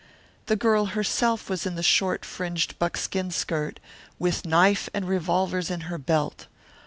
The girl herself was in the short, fringed buckskin skirt, with knife and revolvers in her belt.